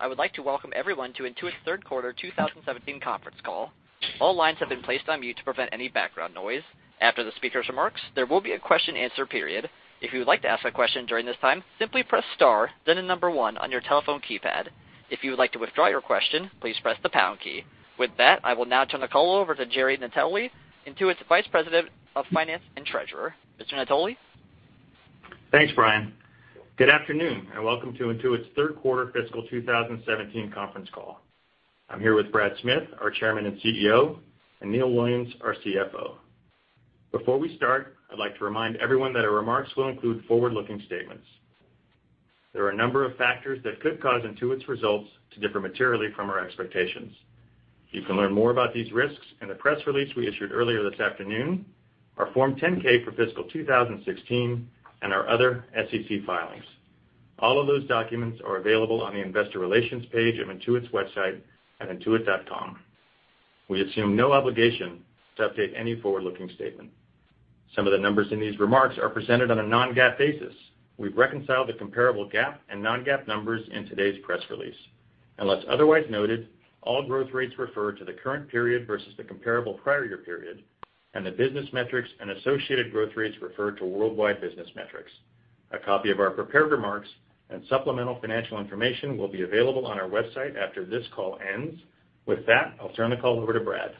I would like to welcome everyone to Intuit's third quarter 2017 conference call. All lines have been placed on mute to prevent any background noise. After the speakers' remarks, there will be a question answer period. If you would like to ask a question during this time, simply press star, then the number one on your telephone keypad. If you would like to withdraw your question, please press the pound key. With that, I will now turn the call over to Jerry Natoli, Intuit's Vice President of Finance and Treasurer. Mr. Natoli? Thanks, Brian. Good afternoon, and welcome to Intuit's third quarter fiscal 2017 conference call. I'm here with Brad Smith, our Chairman and CEO, and Neil Williams, our CFO. Before we start, I'd like to remind everyone that our remarks will include forward-looking statements. There are a number of factors that could cause Intuit's results to differ materially from our expectations. You can learn more about these risks in the press release we issued earlier this afternoon, our Form 10-K for fiscal 2016, and our other SEC filings. All of those documents are available on the investor relations page of Intuit's website at intuit.com. We assume no obligation to update any forward-looking statement. Some of the numbers in these remarks are presented on a non-GAAP basis. We've reconciled the comparable GAAP and non-GAAP numbers in today's press release. Unless otherwise noted, all growth rates refer to the current period versus the comparable prior year period, and the business metrics and associated growth rates refer to worldwide business metrics. A copy of our prepared remarks and supplemental financial information will be available on our website after this call ends. With that, I'll turn the call over to Brad.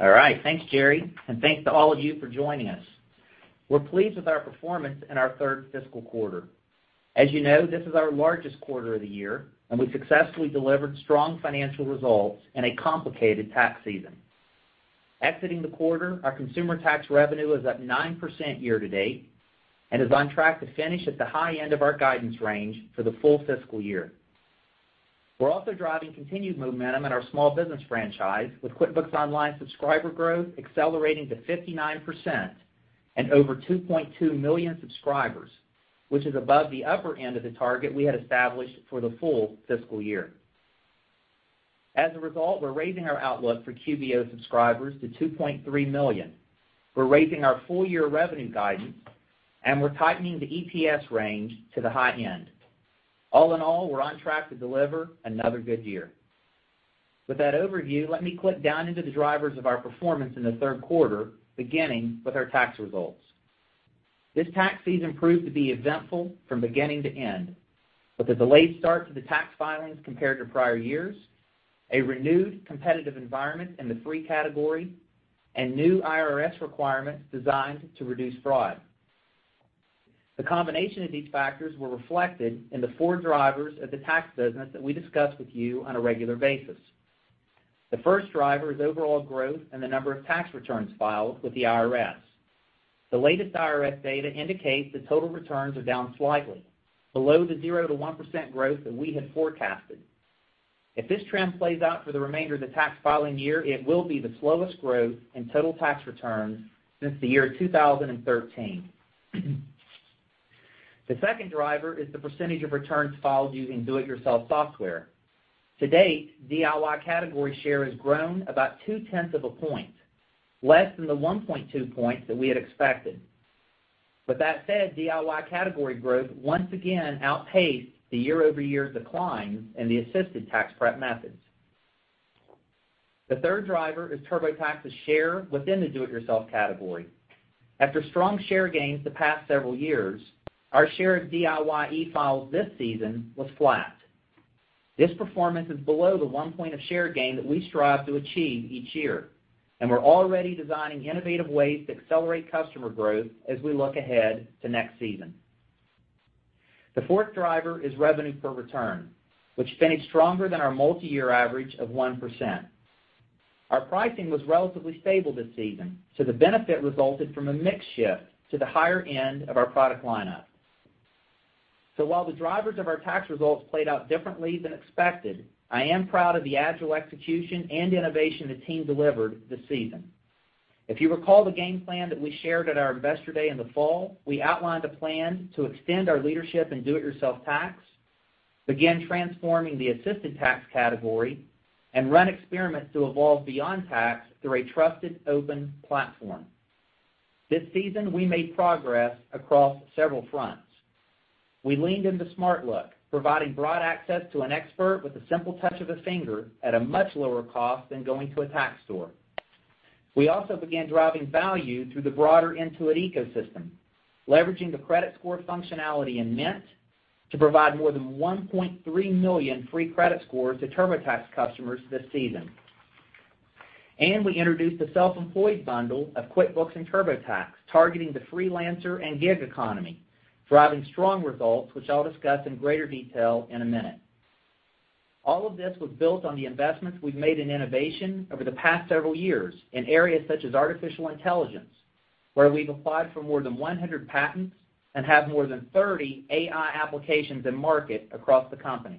All right. Thanks, Jerry. Thanks to all of you for joining us. We're pleased with our performance in our third fiscal quarter. As you know, this is our largest quarter of the year, and we successfully delivered strong financial results in a complicated tax season. Exiting the quarter, our consumer tax revenue is up 9% year-to-date, and is on track to finish at the high end of our guidance range for the full fiscal year. We're also driving continued momentum in our small business franchise, with QuickBooks Online subscriber growth accelerating to 59% and over 2.2 million subscribers, which is above the upper end of the target we had established for the full fiscal year. As a result, we're raising our outlook for QBO subscribers to 2.3 million. We're raising our full-year revenue guidance. We're tightening the EPS range to the high end. All in all, we're on track to deliver another good year. With that overview, let me clip down into the drivers of our performance in the third quarter, beginning with our tax results. This tax season proved to be eventful from beginning to end, with a delayed start to the tax filings compared to prior years, a renewed competitive environment in the free category, and new IRS requirements designed to reduce fraud. The combination of these factors were reflected in the four drivers of the tax business that we discuss with you on a regular basis. The first driver is overall growth and the number of tax returns filed with the IRS. The latest IRS data indicates that total returns are down slightly, below the 0%-1% growth that we had forecasted. If this trend plays out for the remainder of the tax filing year, it will be the slowest growth in total tax returns since the year 2013. The second driver is the percentage of returns filed using do-it-yourself software. To date, DIY category share has grown about 0.2 of a point, less than the 1.2 points that we had expected. That said, DIY category growth once again outpaced the year-over-year declines in the assisted tax prep methods. The third driver is TurboTax's share within the do-it-yourself category. After strong share gains the past several years, our share of DIY e-files this season was flat. This performance is below the 1 point of share gain that we strive to achieve each year. We're already designing innovative ways to accelerate customer growth as we look ahead to next season. The fourth driver is revenue per return, which finished stronger than our multi-year average of 1%. Our pricing was relatively stable this season, so the benefit resulted from a mix shift to the higher end of our product lineup. While the drivers of our tax results played out differently than expected, I am proud of the agile execution and innovation the team delivered this season. If you recall the game plan that we shared at our Investor Day in the fall, we outlined a plan to extend our leadership in do-it-yourself tax, begin transforming the assisted tax category, and run experiments to evolve beyond tax through a trusted open platform. This season, we made progress across several fronts. We leaned into SmartLook, providing broad access to an expert with the simple touch of a finger at a much lower cost than going to a tax store. We also began driving value through the broader Intuit ecosystem, leveraging the credit score functionality in Mint to provide more than 1.3 million free credit scores to TurboTax customers this season. We introduced the self-employed bundle of QuickBooks and TurboTax, targeting the freelancer and gig economy, driving strong results, which I'll discuss in greater detail in a minute. All of this was built on the investments we've made in innovation over the past several years in areas such as artificial intelligence, where we've applied for more than 100 patents and have more than 30 AI applications in market across the company.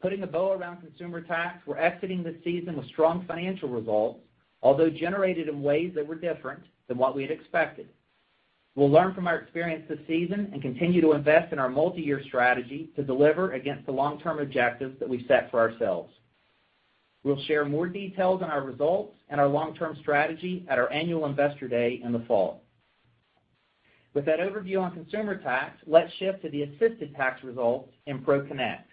Putting a bow around consumer tax, we're exiting the season with strong financial results, although generated in ways that were different than what we had expected. We'll learn from our experience this season and continue to invest in our multi-year strategy to deliver against the long-term objectives that we've set for ourselves. We'll share more details on our results and our long-term strategy at our annual Investor Day in the fall. With that overview on consumer tax, let's shift to the assisted tax results in ProConnect.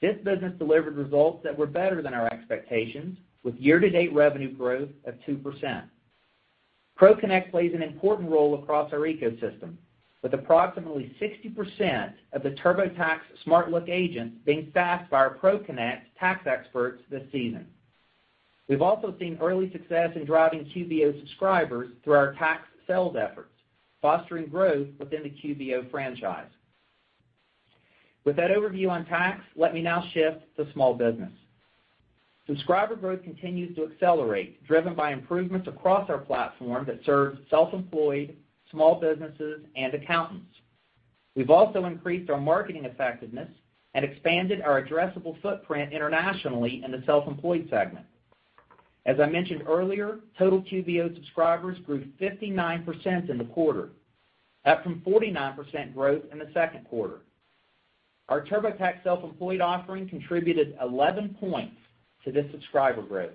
This business delivered results that were better than our expectations, with year-to-date revenue growth of 2%. ProConnect plays an important role across our ecosystem, with approximately 60% of the TurboTax SmartLook agents being staffed by our ProConnect tax experts this season. We've also seen early success in driving QBO subscribers through our tax sales efforts, fostering growth within the QBO franchise. With that overview on tax, let me now shift to small business. Subscriber growth continues to accelerate, driven by improvements across our platform that serves self-employed, small businesses, and accountants. We've also increased our marketing effectiveness and expanded our addressable footprint internationally in the self-employed segment. As I mentioned earlier, total QBO subscribers grew 59% in the quarter, up from 49% growth in the second quarter. Our TurboTax Self-Employed offering contributed 11 points to this subscriber growth.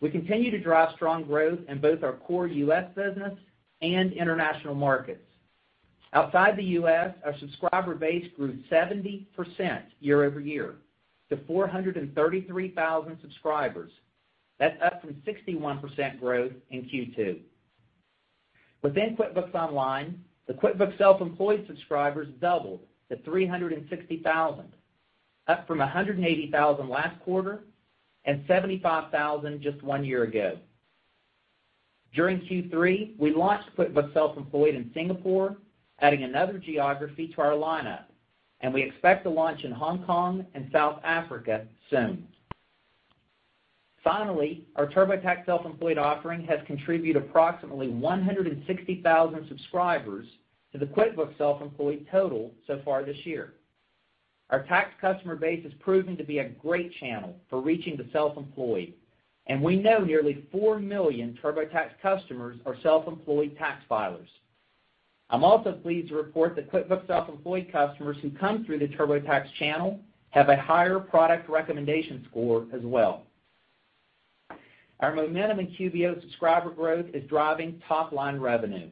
We continue to drive strong growth in both our core U.S. business and international markets. Outside the U.S., our subscriber base grew 70% year-over-year to 433,000 subscribers. That's up from 61% growth in Q2. Within QuickBooks Online, the QuickBooks Self-Employed subscribers doubled to 360,000, up from 180,000 last quarter and 75,000 just one year ago. During Q3, we launched QuickBooks Self-Employed in Singapore, adding another geography to our lineup, and we expect to launch in Hong Kong and South Africa soon. Finally, our TurboTax Self-Employed offering has contributed approximately 160,000 subscribers to the QuickBooks Self-Employed total so far this year. Our tax customer base is proving to be a great channel for reaching the self-employed, and we know nearly four million TurboTax customers are self-employed tax filers. I'm also pleased to report that QuickBooks Self-Employed customers who come through the TurboTax channel have a higher product recommendation score as well. Our momentum in QBO subscriber growth is driving top-line revenue,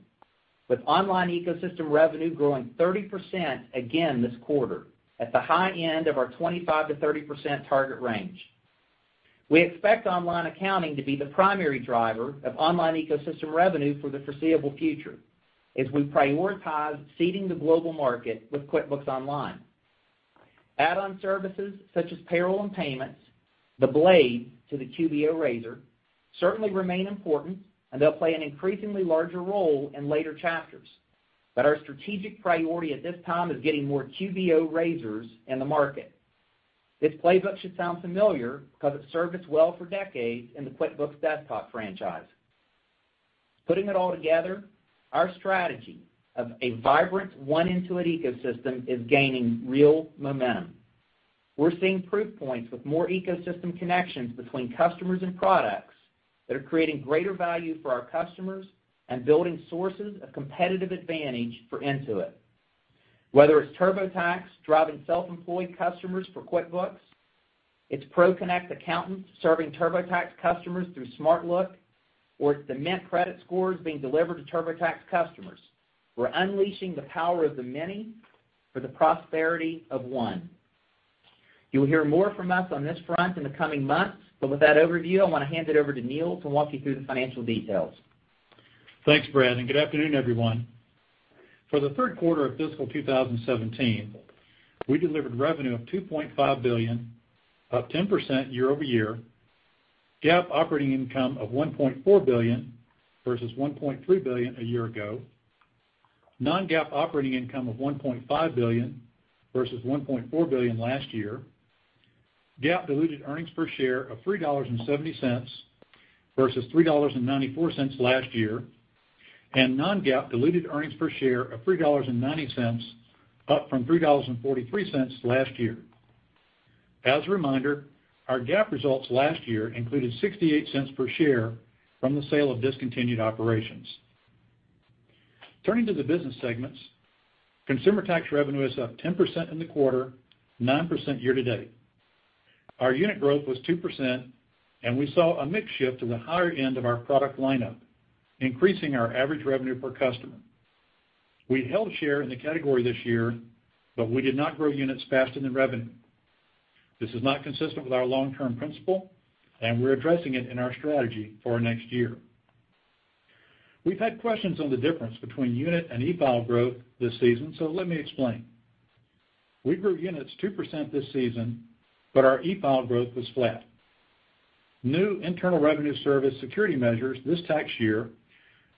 with online ecosystem revenue growing 30% again this quarter at the high end of our 25%-30% target range. We expect online accounting to be the primary driver of online ecosystem revenue for the foreseeable future as we prioritize seeding the global market with QuickBooks Online. Add-on services such as payroll and payments, the blade to the QBO razor, certainly remain important, and they'll play an increasingly larger role in later chapters. Our strategic priority at this time is getting more QBO razors in the market. This playbook should sound familiar because it's served us well for decades in the QuickBooks Desktop franchise. Putting it all together, our strategy of a vibrant one Intuit ecosystem is gaining real momentum. We're seeing proof points with more ecosystem connections between customers and products that are creating greater value for our customers and building sources of competitive advantage for Intuit. Whether it's TurboTax driving self-employed customers for QuickBooks, it's ProConnect accountants serving TurboTax customers through SmartLook, or it's the Mint credit scores being delivered to TurboTax customers. We're unleashing the power of the many for the prosperity of one. You'll hear more from us on this front in the coming months. With that overview, I want to hand it over to Neil to walk you through the financial details. Thanks, Brad, and good afternoon, everyone. For the third quarter of fiscal 2017, we delivered revenue of $2.5 billion, up 10% year-over-year, GAAP operating income of $1.4 billion versus $1.3 billion a year ago, non-GAAP operating income of $1.5 billion versus $1.4 billion last year, GAAP diluted earnings per share of $3.70 versus $3.94 last year. Non-GAAP diluted earnings per share of $3.90, up from $3.43 last year. As a reminder, our GAAP results last year included $0.68 per share from the sale of discontinued operations. Turning to the business segments, consumer tax revenue is up 10% in the quarter, 9% year-to-date. Our unit growth was 2%, and we saw a mix shift to the higher end of our product lineup, increasing our average revenue per customer. We held share in the category this year, but we did not grow units faster than revenue. This is not consistent with our long-term principle. We're addressing it in our strategy for our next year. We've had questions on the difference between unit and e-file growth this season, so let me explain. We grew units 2% this season, but our e-file growth was flat. New Internal Revenue Service security measures this tax year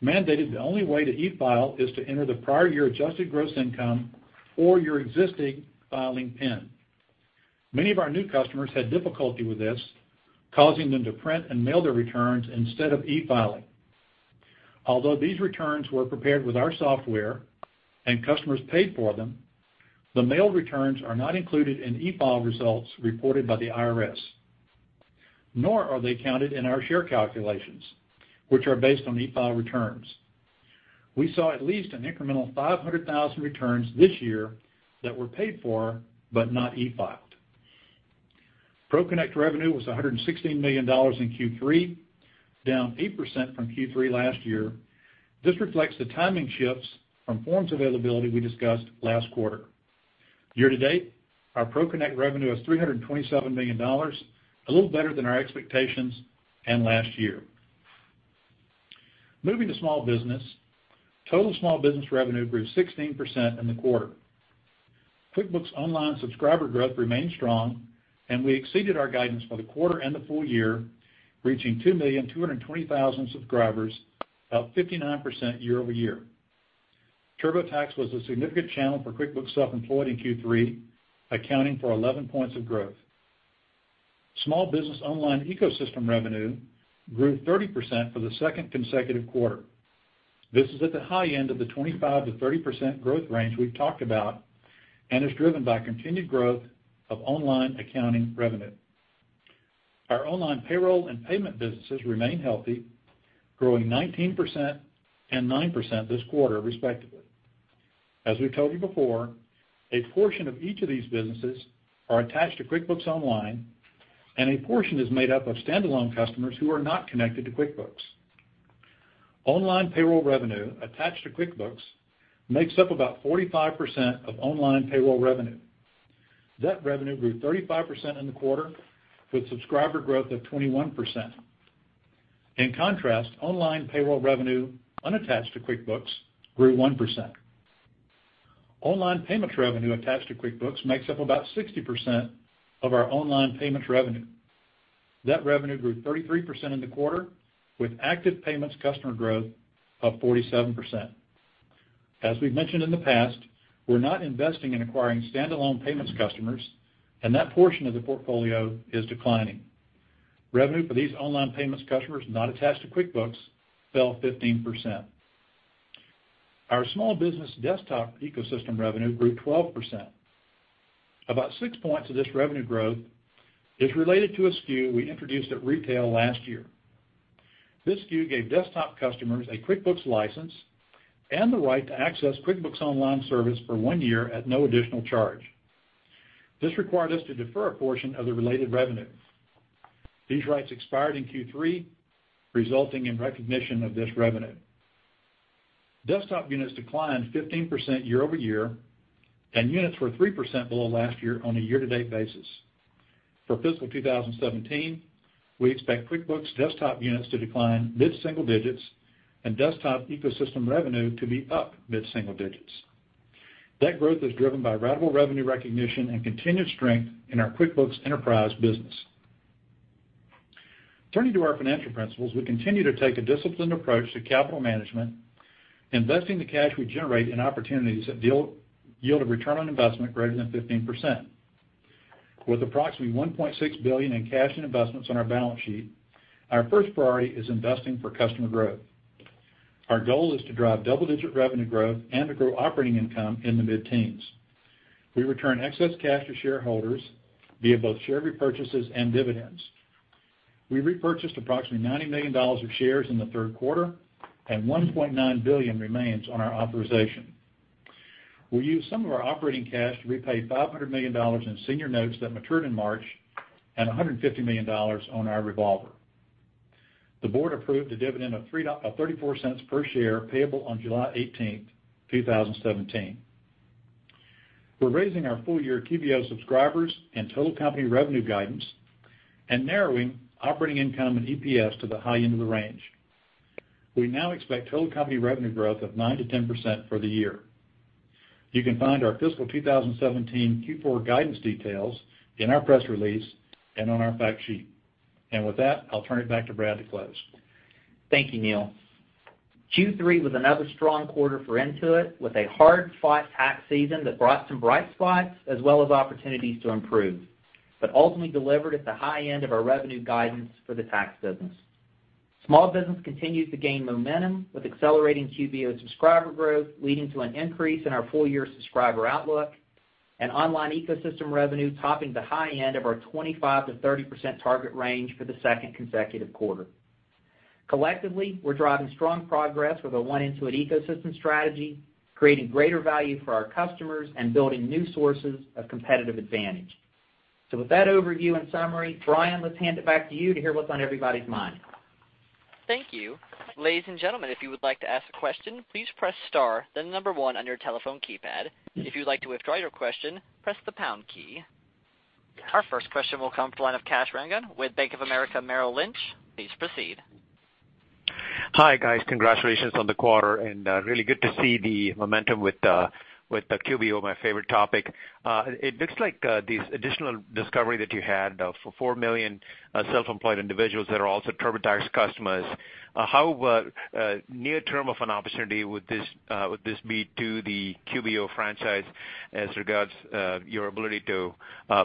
mandated the only way to e-file is to enter the prior year adjusted gross income or your existing filing PIN. Many of our new customers had difficulty with this, causing them to print and mail their returns instead of e-filing. Although these returns were prepared with our software and customers paid for them, the mail returns are not included in e-file results reported by the IRS, nor are they counted in our share calculations, which are based on e-file returns. We saw at least an incremental 500,000 returns this year that were paid for but not e-filed. ProConnect revenue was $116 million in Q3, down 8% from Q3 last year. This reflects the timing shifts from forms availability we discussed last quarter. Year to date, our ProConnect revenue was $327 million, a little better than our expectations, and last year. Moving to small business. Total small business revenue grew 16% in the quarter. QuickBooks Online subscriber growth remained strong. We exceeded our guidance for the quarter and the full year, reaching 2,220,000 subscribers, up 59% year-over-year. TurboTax was a significant channel for QuickBooks Self-Employed in Q3, accounting for 11 points of growth. Small business online ecosystem revenue grew 30% for the second consecutive quarter. This is at the high end of the 25%-30% growth range we've talked about and is driven by continued growth of online accounting revenue. Our online payroll and payment businesses remain healthy, growing 19% and 9% this quarter, respectively. As we told you before, a portion of each of these businesses are attached to QuickBooks Online, and a portion is made up of standalone customers who are not connected to QuickBooks. Online payroll revenue attached to QuickBooks makes up about 45% of online payroll revenue. That revenue grew 35% in the quarter, with subscriber growth of 21%. In contrast, online payroll revenue unattached to QuickBooks grew 1%. Online payments revenue attached to QuickBooks makes up about 60% of our online payments revenue. That revenue grew 33% in the quarter, with active payments customer growth of 47%. As we've mentioned in the past, we're not investing in acquiring standalone payments customers, and that portion of the portfolio is declining. Revenue for these online payments customers not attached to QuickBooks fell 15%. Our small business desktop ecosystem revenue grew 12%. About six points of this revenue growth is related to a SKU we introduced at retail last year. This SKU gave desktop customers a QuickBooks license and the right to access QuickBooks Online service for one year at no additional charge. This required us to defer a portion of the related revenue. These rights expired in Q3, resulting in recognition of this revenue. Desktop units declined 15% year-over-year, and units were 3% below last year on a year-to-date basis. For fiscal 2017, we expect QuickBooks Desktop units to decline mid-single digits and desktop ecosystem revenue to be up mid-single digits. That growth is driven by ratable revenue recognition and continued strength in our QuickBooks Enterprise business. Turning to our financial principles, we continue to take a disciplined approach to capital management, investing the cash we generate in opportunities that yield a return on investment greater than 15%. With approximately $1.6 billion in cash and investments on our balance sheet, our first priority is investing for customer growth. Our goal is to drive double-digit revenue growth and to grow operating income in the mid-teens. We return excess cash to shareholders via both share repurchases and dividends. We repurchased approximately $90 million of shares in the third quarter, and $1.9 billion remains on our authorization. We'll use some of our operating cash to repay $500 million in senior notes that matured in March and $150 million on our revolver. The board approved a dividend of $0.34 per share, payable on July 18th, 2017. We're raising our full-year QBO subscribers and total company revenue guidance and narrowing operating income and EPS to the high end of the range. We now expect total company revenue growth of 9%-10% for the year. You can find our fiscal 2017 Q4 guidance details in our press release and on our fact sheet. With that, I'll turn it back to Brad to close. Thank you, Neil. Q3 was another strong quarter for Intuit, with a hard-fought tax season that brought some bright spots as well as opportunities to improve, but ultimately delivered at the high end of our revenue guidance for the tax business. Small Business continues to gain momentum, with accelerating QBO subscriber growth leading to an increase in our full-year subscriber outlook, and online ecosystem revenue topping the high end of our 25%-30% target range for the second consecutive quarter. Collectively, we're driving strong progress with a One Intuit ecosystem strategy, creating greater value for our customers, and building new sources of competitive advantage. With that overview and summary, Brian, let's hand it back to you to hear what's on everybody's mind. Thank you. Ladies and gentlemen, if you would like to ask a question, please press star then the number 1 on your telephone keypad. If you'd like to withdraw your question, press the pound key. Our first question will come from the line of Kash Rangan with Bank of America Merrill Lynch. Please proceed. Hi, guys. Congratulations on the quarter, and really good to see the momentum with the QBO, my favorite topic. It looks like this additional discovery that you had of $4 million self-employed individuals that are also TurboTax customers, how near-term of an opportunity would this be to the QBO franchise as regards your ability to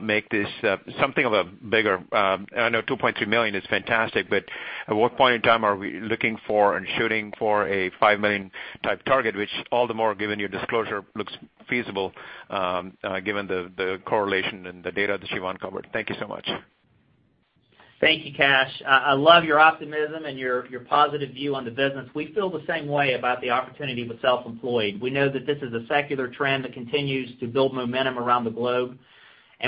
make this something of a bigger-- I know $2.3 million is fantastic, but at what point in time are we looking for and shooting for a $5 million-type target, which all the more, given your disclosure, looks feasible, given the correlation and the data that Siobhan covered? Thank you so much. Thank you, Kash. I love your optimism and your positive view on the business. We feel the same way about the opportunity with self-employed. We know that this is a secular trend that continues to build momentum around the globe.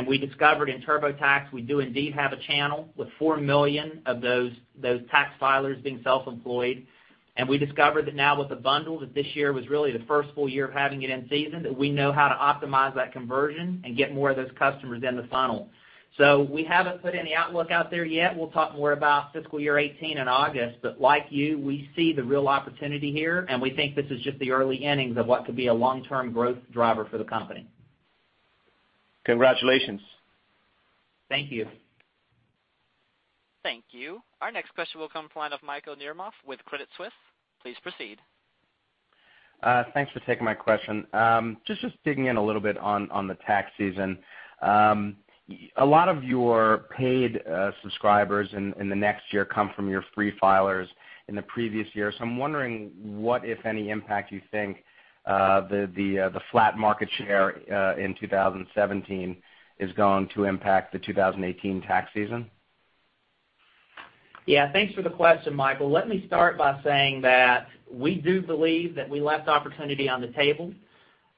We discovered in TurboTax, we do indeed have a channel with $4 million of those tax filers being self-employed. We discovered that now with the bundle, that this year was really the first full year of having it in season, that we know how to optimize that conversion and get more of those customers in the funnel. We haven't put any outlook out there yet. We'll talk more about fiscal year 2018 in August. Like you, we see the real opportunity here, and we think this is just the early innings of what could be a long-term growth driver for the company. Congratulations. Thank you. Thank you. Our next question will come from the line of Michael Nemeroff with Credit Suisse. Please proceed. Thanks for taking my question. Just digging in a little bit on the tax season. A lot of your paid subscribers in the next year come from your free filers in the previous year. I'm wondering what, if any, impact you think the flat market share in 2017 is going to impact the 2018 tax season. Thanks for the question, Michael. Let me start by saying that we do believe that we left opportunity on the table.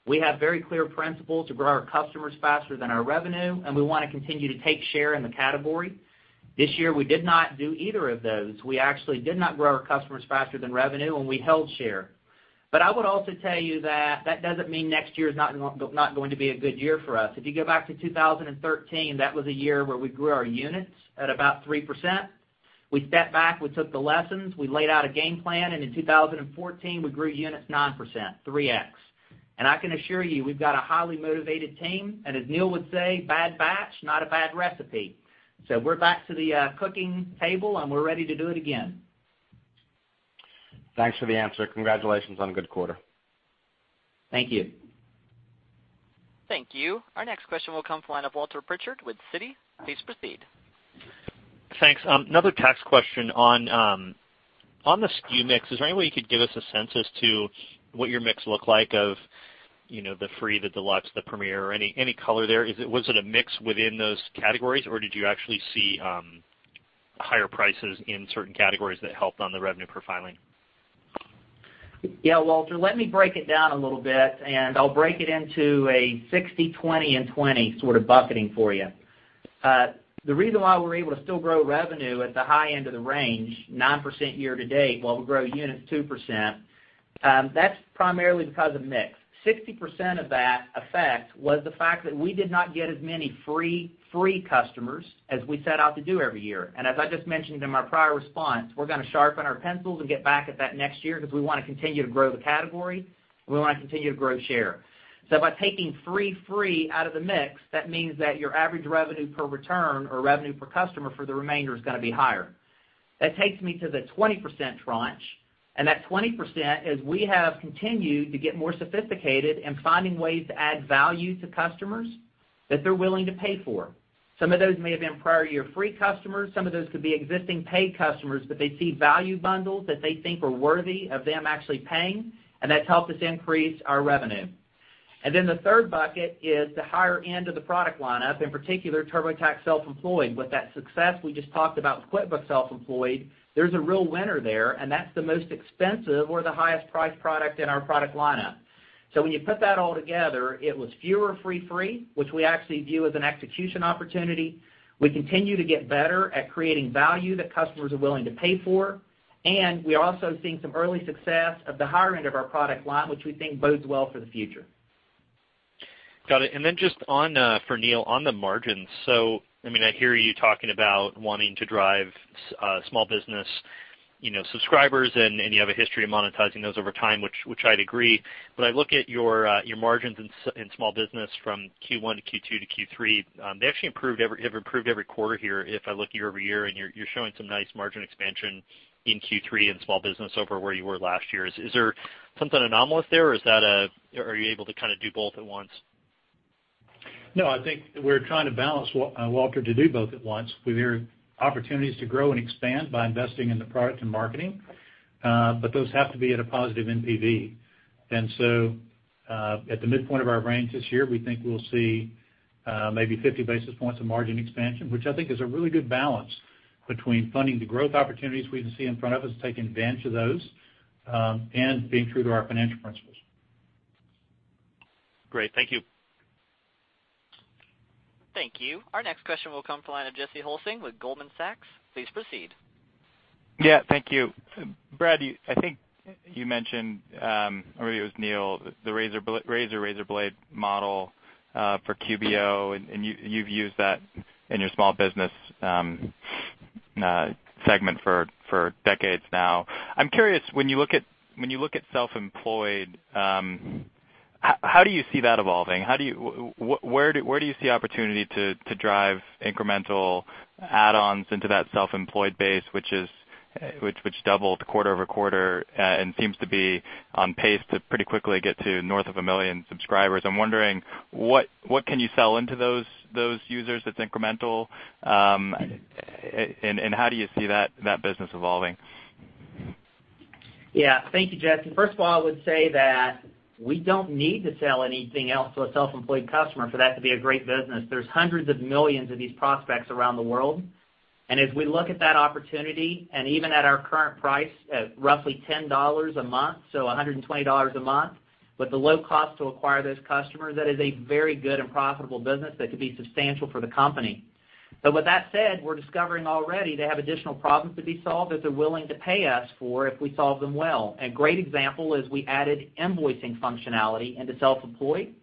We have very clear principles to grow our customers faster than our revenue, we want to continue to take share in the category. This year, we did not do either of those. We actually did not grow our customers faster than revenue, we held share. I would also tell you that doesn't mean next year is not going to be a good year for us. If you go back to 2013, that was a year where we grew our units at about 3%. We stepped back, we took the lessons, we laid out a game plan, in 2014, we grew units 9%, 3x. I can assure you, we've got a highly motivated team, and as Neil would say, bad batch, not a bad recipe. We're back to the cooking table, and we're ready to do it again. Thanks for the answer. Congratulations on a good quarter. Thank you. Thank you. Our next question will come from the line of Walter Pritchard with Citi. Please proceed. Thanks. Another tax question on the SKU mix. Is there any way you could give us a sense as to what your mix looked like of the free, the deluxe, the premier, or any color there? Was it a mix within those categories, or did you actually see higher prices in certain categories that helped on the revenue per filing? Yeah, Walter, let me break it down a little bit. I'll break it into a 60, 20, and 20 sort of bucketing for you. The reason why we're able to still grow revenue at the high end of the range, 9% year to date, while we grow units 2%, that's primarily because of mix. 60% of that effect was the fact that we did not get as many free customers as we set out to do every year. As I just mentioned in my prior response, we're going to sharpen our pencils and get back at that next year because we want to continue to grow the category, and we want to continue to grow share. By taking free out of the mix, that means that your average revenue per return or revenue per customer for the remainder is going to be higher. That takes me to the 20% tranche. That 20% as we have continued to get more sophisticated in finding ways to add value to customers that they're willing to pay for. Some of those may have been prior year free customers, some of those could be existing paid customers, but they see value bundles that they think are worthy of them actually paying, and that's helped us increase our revenue. Then the third bucket is the higher end of the product lineup, in particular, TurboTax Self-Employed. With that success we just talked about with QuickBooks Self-Employed, there's a real winner there, and that's the most expensive or the highest priced product in our product lineup. When you put that all together, it was fewer free, which we actually view as an execution opportunity. We continue to get better at creating value that customers are willing to pay for. We are also seeing some early success of the higher end of our product line, which we think bodes well for the future. Got it. Just for Neil, on the margins. I hear you talking about wanting to drive small business subscribers, and you have a history of monetizing those over time, which I'd agree. I look at your margins in small business from Q1 to Q2 to Q3, they actually have improved every quarter here if I look year-over-year, and you're showing some nice margin expansion in Q3 in small business over where you were last year. Is there something anomalous there, or are you able to kind of do both at once? I think we're trying to balance, Walter, to do both at once. There are opportunities to grow and expand by investing in the product and marketing, but those have to be at a positive NPV. At the midpoint of our range this year, we think we'll see maybe 50 basis points of margin expansion, which I think is a really good balance between funding the growth opportunities we see in front of us, taking advantage of those, and being true to our financial principles. Great. Thank you. Thank you. Our next question will come from the line of Jesse Hulsing with Goldman Sachs. Please proceed. Thank you. Brad, I think you mentioned, or maybe it was Neil, the razor blade model for QBO, and you've used that in your small business segment for decades now. I'm curious, when you look at self-employed, how do you see that evolving? Where do you see opportunity to drive incremental add-ons into that self-employed base, which doubled quarter-over-quarter and seems to be on pace to pretty quickly get to north of 1 million subscribers. I'm wondering what can you sell into those users that's incremental, and how do you see that business evolving? Thank you, Jesse. First of all, I would say that we don't need to sell anything else to a self-employed customer for that to be a great business. There's hundreds of millions of these prospects around the world. As we look at that opportunity, even at our current price, at roughly $10 a month, so $120 a month, with the low cost to acquire those customers, that is a very good and profitable business that could be substantial for the company. With that said, we're discovering already they have additional problems to be solved that they're willing to pay us for if we solve them well. A great example is we added invoicing functionality into Self-Employed,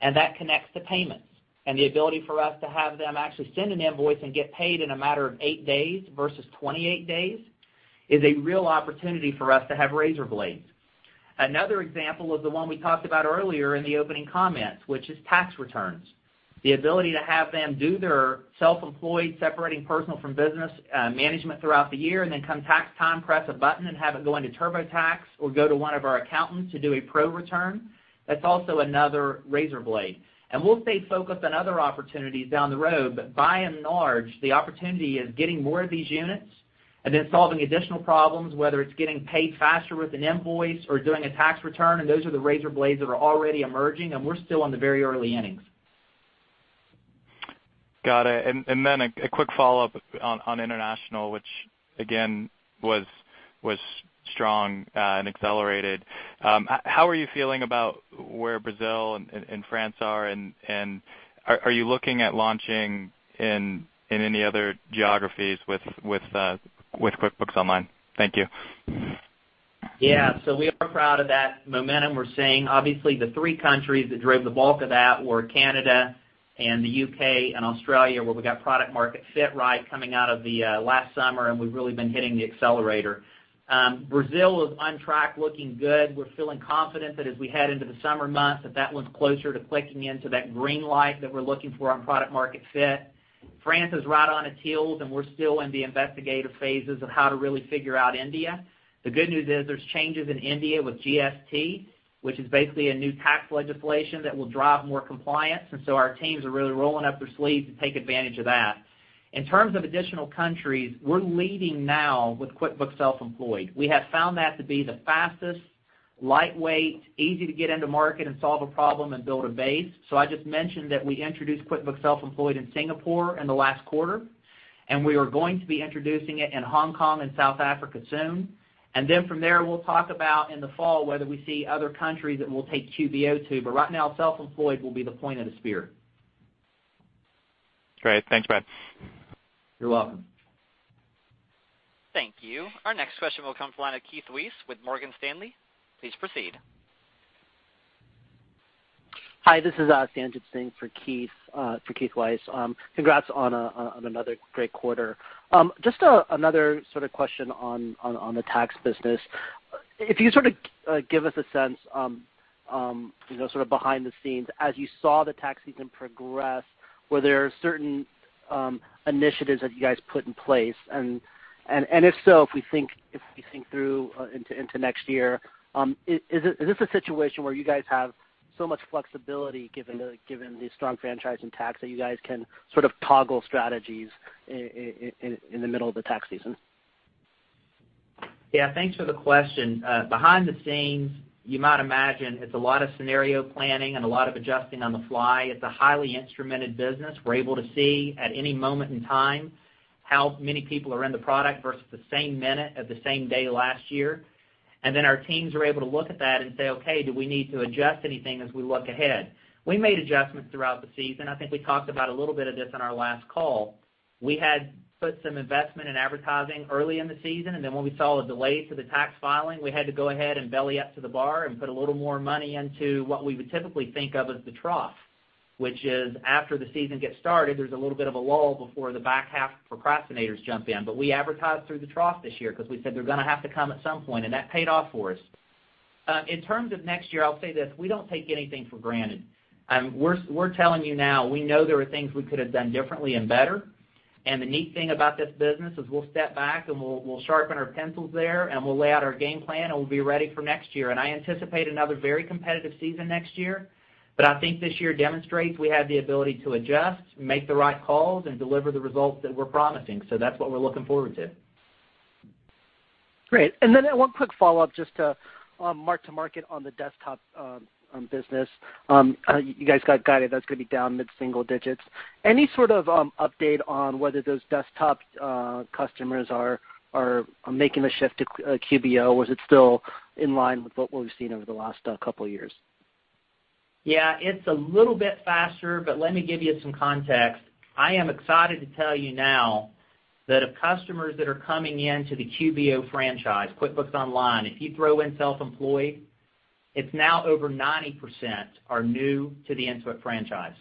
and that connects to payments. The ability for us to have them actually send an invoice and get paid in a matter of eight days versus 28 days is a real opportunity for us to have razor blades. Another example is the one we talked about earlier in the opening comments, which is tax returns. The ability to have them do their self-employed, separating personal from business management throughout the year, then come tax time, press a button and have it go into TurboTax or go to one of our accountants to do a pro return, that's also another razor blade. We'll stay focused on other opportunities down the road. By and large, the opportunity is getting more of these units, solving additional problems, whether it's getting paid faster with an invoice or doing a tax return, those are the razor blades that are already emerging, we're still in the very early innings. Got it. Then a quick follow-up on international, which again, was strong and accelerated. How are you feeling about where Brazil and France are, and are you looking at launching in any other geographies with QuickBooks Online? Thank you. Yeah. We are proud of that momentum we're seeing. Obviously, the three countries that drove the bulk of that were Canada and the U.K. and Australia, where we got product market fit right coming out of the last summer, and we've really been hitting the accelerator. Brazil is on track, looking good. We're feeling confident that as we head into the summer months, that one's closer to clicking into that green light that we're looking for on product market fit. France is right on its heels. We're still in the investigative phases of how to really figure out India. The good news is there's changes in India with GST, which is basically a new tax legislation that will drive more compliance. Our teams are really rolling up their sleeves to take advantage of that. In terms of additional countries, we're leading now with QuickBooks Self-Employed. We have found that to be the fastest, lightweight, easy to get into market and solve a problem and build a base. I just mentioned that we introduced QuickBooks Self-Employed in Singapore in the last quarter. We are going to be introducing it in Hong Kong and South Africa soon. From there, we'll talk about in the fall whether we see other countries that we'll take QBO to. Right now, Self-Employed will be the point of the spear. Great. Thanks, Brad. You're welcome. Thank you. Our next question will come from the line of Keith Weiss with Morgan Stanley. Please proceed. Hi, this is Sanjit Singh for Keith Weiss. Congrats on another great quarter. Just another sort of question on the tax business. If you sort of give us a sense, sort of behind the scenes, as you saw the tax season progress, were there certain initiatives that you guys put in place? If so, if we think through into next year, is this a situation where you guys have so much flexibility, given the strong franchise in tax, that you guys can sort of toggle strategies in the middle of the tax season? Yeah. Thanks for the question. Behind the scenes, you might imagine it's a lot of scenario planning and a lot of adjusting on the fly. It's a highly instrumented business. We're able to see at any moment in time how many people are in the product versus the same minute of the same day last year. Our teams are able to look at that and say, "Okay, do we need to adjust anything as we look ahead?" We made adjustments throughout the season. I think we talked about a little bit of this on our last call. We had put some investment in advertising early in the season, and then when we saw a delay to the tax filing, we had to go ahead and belly up to the bar and put a little more money into what we would typically think of as the trough. Which is after the season gets started, there's a little bit of a lull before the back half procrastinators jump in. We advertised through the trough this year because we said they're going to have to come at some point, and that paid off for us. In terms of next year, I'll say this, we don't take anything for granted. We're telling you now, we know there are things we could have done differently and better. The neat thing about this business is we'll step back and we'll sharpen our pencils there, and we'll lay out our game plan, and we'll be ready for next year. I anticipate another very competitive season next year. I think this year demonstrates we have the ability to adjust, make the right calls, and deliver the results that we're promising. That's what we're looking forward to. Great. One quick follow-up just to mark to market on the desktop business. You guys got guided that's going to be down mid-single digits. Any sort of update on whether those desktop customers are making the shift to QBO, or is it still in line with what we've seen over the last couple of years? Yeah. Let me give you some context. I am excited to tell you now that of customers that are coming into the QBO franchise, QuickBooks Online, if you throw in Self-Employed, it's now over 90% are new to the Intuit franchise.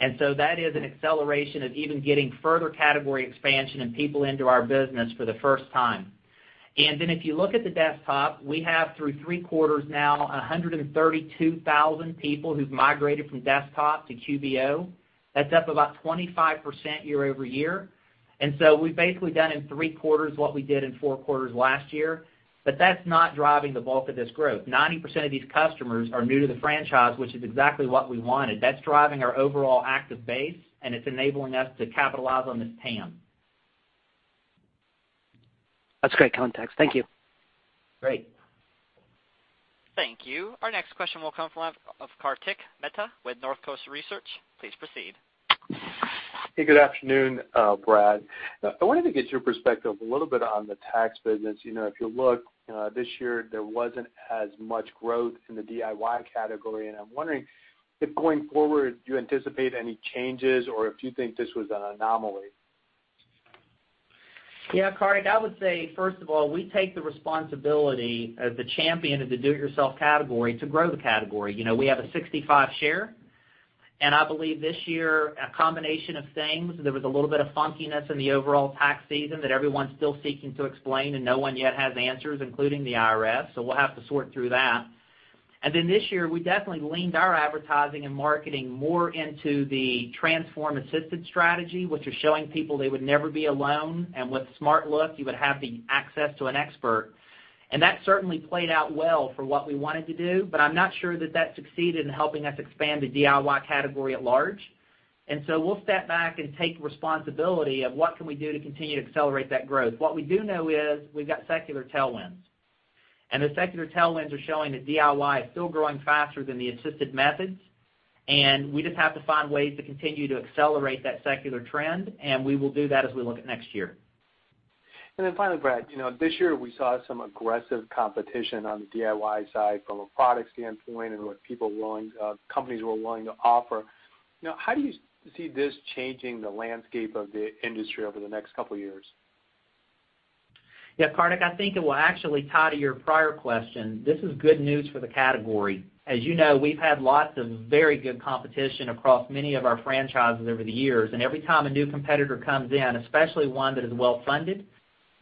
That is an acceleration of even getting further category expansion and people into our business for the first time. If you look at the desktop, we have through three quarters now, 132,000 people who've migrated from desktop to QBO. That's up about 25% year-over-year. We've basically done in three quarters what we did in four quarters last year. That's not driving the bulk of this growth. 90% of these customers are new to the franchise, which is exactly what we wanted. That's driving our overall active base, and it's enabling us to capitalize on this TAM. That's great context. Thank you. Great. Thank you. Our next question will come from Kartik Mehta with Northcoast Research. Please proceed. Hey, good afternoon, Brad. I wanted to get your perspective a little bit on the tax business. If you look, this year there wasn't as much growth in the DIY category, and I'm wondering if going forward, do you anticipate any changes or if you think this was an anomaly? Yeah, Kartik, I would say, first of all, we take the responsibility as the champion of the do-it-yourself category to grow the category. We have a 65 share. I believe this year, a combination of things, there was a little bit of funkiness in the overall tax season that everyone's still seeking to explain. No one yet has answers, including the IRS. We'll have to sort through that. This year, we definitely leaned our advertising and marketing more into the transform-assisted strategy, which is showing people they would never be alone. With SmartLook, you would have the access to an expert. That certainly played out well for what we wanted to do, but I'm not sure that that succeeded in helping us expand the DIY category at large. We'll step back and take responsibility of what can we do to continue to accelerate that growth. What we do know is we've got secular tailwinds. The secular tailwinds are showing that DIY is still growing faster than the assisted methods, and we just have to find ways to continue to accelerate that secular trend, and we will do that as we look at next year. Finally, Brad, this year we saw some aggressive competition on the DIY side from a product standpoint and what companies were willing to offer. How do you see this changing the landscape of the industry over the next couple of years? Kartik, I think it will actually tie to your prior question. This is good news for the category. As you know, we've had lots of very good competition across many of our franchises over the years, and every time a new competitor comes in, especially one that is well-funded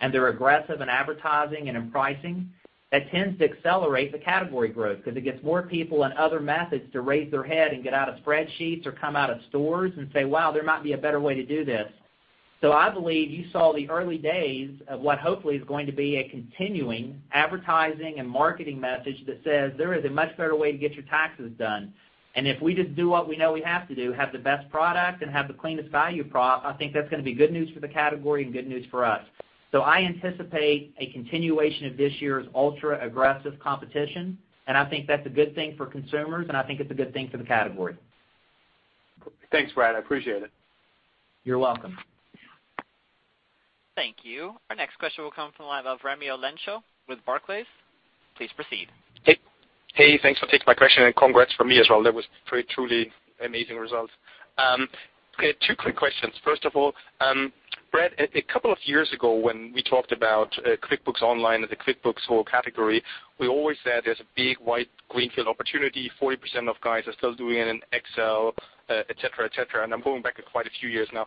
and they're aggressive in advertising and in pricing, that tends to accelerate the category growth because it gets more people and other methods to raise their head and get out of spreadsheets or come out of stores and say, "Wow, there might be a better way to do this." I believe you saw the early days of what hopefully is going to be a continuing advertising and marketing message that says, there is a much better way to get your taxes done. If we just do what we know we have to do, have the best product and have the cleanest value prop, I think that's going to be good news for the category and good news for us. I anticipate a continuation of this year's ultra-aggressive competition, and I think that's a good thing for consumers, and I think it's a good thing for the category. Thanks, Brad. I appreciate it. You're welcome. Thank you. Our next question will come from the line of Raimo Lenschow with Barclays. Please proceed. Hey, thanks for taking my question, and congrats from me as well. That was truly amazing results. Two quick questions. First of all, Brad, a couple of years ago when we talked about QuickBooks Online and the QuickBooks whole category, we always said there's a big white greenfield opportunity. 40% of guys are still doing it in Excel, et cetera. I'm going back quite a few years now.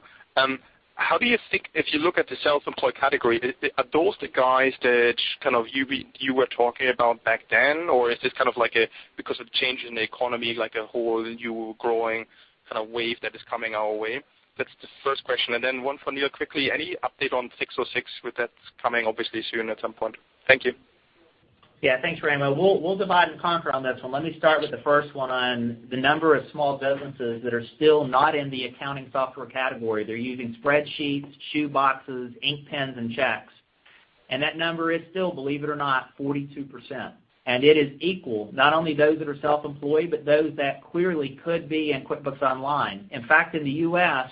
How do you think, if you look at the self-employed category, are those the guys that you were talking about back then, or is this because of change in the economy, like a whole new growing wave that is coming our way? That's the first question. Then one for Neil quickly. Any update on 606 with that coming obviously soon at some point? Thank you. Yeah, thanks, Raimo. We'll divide and conquer on this one. Let me start with the first one on the number of small businesses that are still not in the accounting software category. They're using spreadsheets, shoe boxes, ink pens, and checks. That number is still, believe it or not, 42%. It is equal, not only those that are self-employed, but those that clearly could be in QuickBooks Online. In fact, in the U.S.,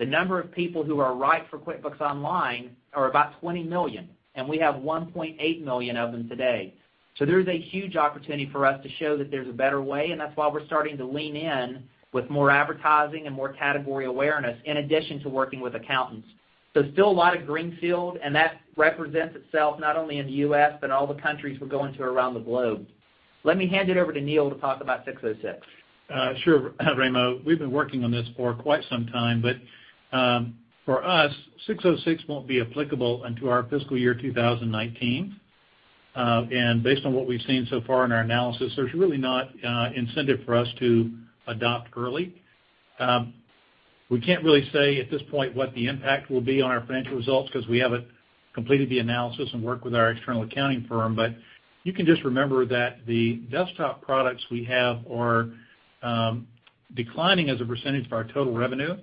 the number of people who are right for QuickBooks Online are about 20 million, and we have 1.8 million of them today. There's a huge opportunity for us to show that there's a better way, and that's why we're starting to lean in with more advertising and more category awareness in addition to working with accountants. Still a lot of greenfield, and that represents itself not only in the U.S., but all the countries we're going to around the globe. Let me hand it over to Neil to talk about 606. Sure, Raimo. We've been working on this for quite some time, but for us, 606 won't be applicable until our fiscal year 2019. Based on what we've seen so far in our analysis, there's really not incentive for us to adopt early. We can't really say at this point what the impact will be on our financial results because we haven't completed the analysis and worked with our external accounting firm. You can just remember that the desktop products we have are declining as a percentage of our total revenue,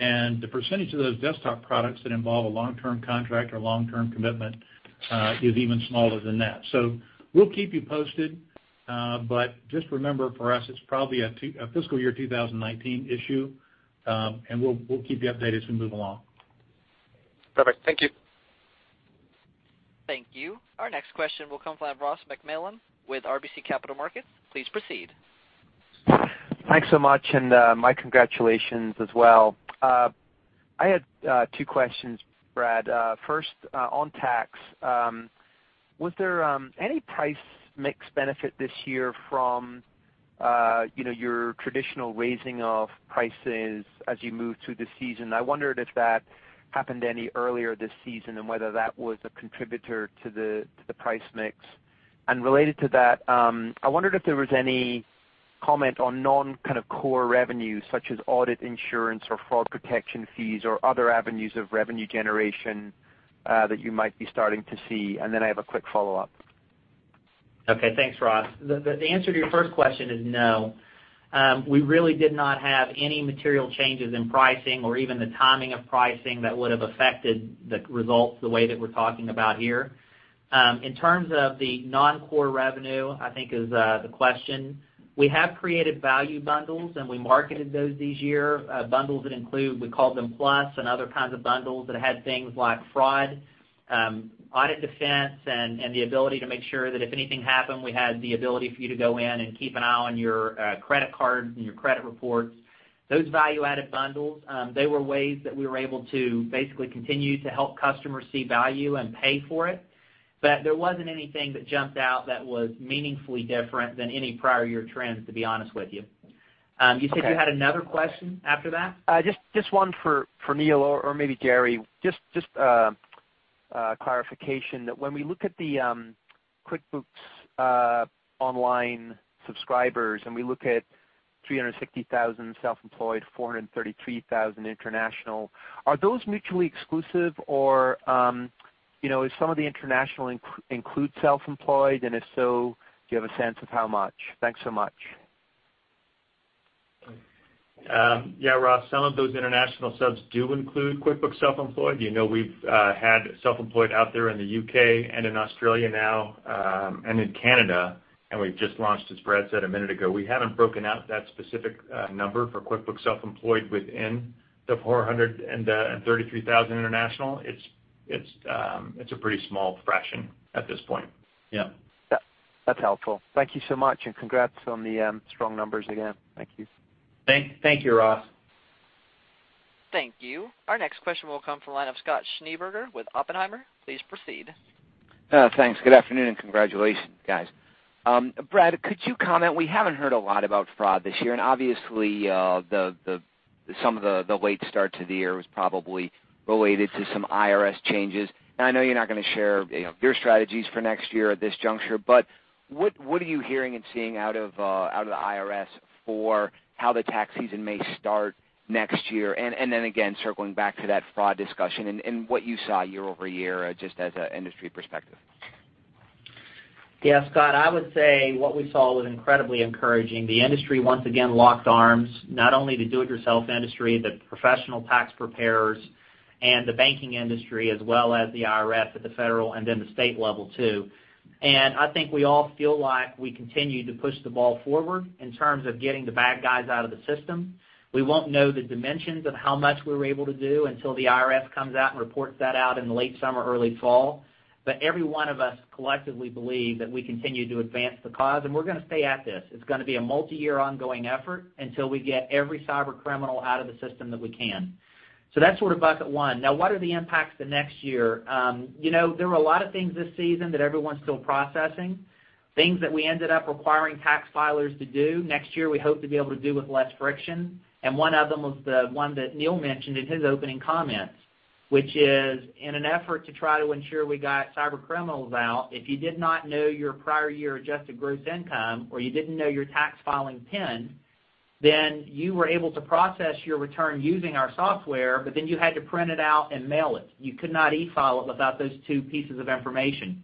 and the percentage of those desktop products that involve a long-term contract or long-term commitment is even smaller than that. We'll keep you posted, but just remember, for us, it's probably a fiscal year 2019 issue, and we'll keep you updated as we move along. Perfect. Thank you. Thank you. Our next question will come from Ross MacMillan with RBC Capital Markets. Please proceed. Thanks so much, my congratulations as well. I had two questions, Brad. First, on tax, was there any price mix benefit this year from your traditional raising of prices as you moved through the season? I wondered if that happened any earlier this season and whether that was a contributor to the price mix. Related to that, I wondered if there was any comment on non-core revenues, such as audit insurance or fraud protection fees or other avenues of revenue generation that you might be starting to see. Then I have a quick follow-up. Okay. Thanks, Ross. The answer to your first question is no. We really did not have any material changes in pricing or even the timing of pricing that would have affected the results the way that we're talking about here. In terms of the non-core revenue, I think is the question, we have created value bundles, and we marketed those this year, bundles that include, we call them Plus and other kinds of bundles that had things like fraud, audit defense, and the ability to make sure that if anything happened, we had the ability for you to go in and keep an eye on your credit card and your credit reports. Those value-added bundles, they were ways that we were able to basically continue to help customers see value and pay for it. There wasn't anything that jumped out that was meaningfully different than any prior year trends, to be honest with you. You said you had another question after that? Just one for Neil or maybe Gerry, just a clarification that when we look at the QuickBooks Online subscribers, and we look at 360,000 self-employed, 433,000 international, are those mutually exclusive or if some of the international includes self-employed, and if so, do you have a sense of how much? Thanks so much. Yeah, Ross, some of those international subs do include QuickBooks Self-Employed. We've had Self-Employed out there in the U.K. and in Australia now, and in Canada, and we've just launched, as Brad said a minute ago. We haven't broken out that specific number for QuickBooks Self-Employed within the 433,000 international. It's a pretty small fraction at this point. Yeah. That's helpful. Thank you so much. Congrats on the strong numbers again. Thank you. Thank you, Ross. Thank you. Our next question will come from the line of Scott Schneeberger with Oppenheimer. Please proceed. Thanks. Good afternoon, and congratulations, guys. Brad, could you comment, we haven't heard a lot about fraud this year, obviously some of the late start to the year was probably related to some IRS changes. I know you're not going to share your strategies for next year at this juncture, but what are you hearing and seeing out of the IRS for how the tax season may start next year? Then again, circling back to that fraud discussion and what you saw year-over-year, just as an industry perspective. Scott, I would say what we saw was incredibly encouraging. The industry, once again, locked arms, not only the do it yourself industry, the professional tax preparers and the banking industry as well as the IRS at the federal and then the state level, too. I think we all feel like we continue to push the ball forward in terms of getting the bad guys out of the system. We won't know the dimensions of how much we were able to do until the IRS comes out and reports that out in the late summer or early fall. Every one of us collectively believe that we continue to advance the cause, and we're going to stay at this. It's going to be a multi-year ongoing effort until we get every cyber criminal out of the system that we can. That's bucket one. Now, what are the impacts the next year? There were a lot of things this season that everyone's still processing, things that we ended up requiring tax filers to do. Next year, we hope to be able to do with less friction, and one of them was the one that Neil mentioned in his opening comments, which is in an effort to try to ensure we got cyber criminals out, if you did not know your prior year adjusted gross income, or you didn't know your tax filing PIN, then you were able to process your return using our software, but then you had to print it out and mail it. You could not e-file it without those two pieces of information.